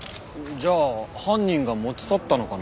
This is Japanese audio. じゃあ犯人が持ち去ったのかな？